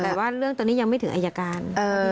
แต่ว่าเรื่องตอนนี้ยังไม่ถึงอายการ